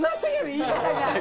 言い方が。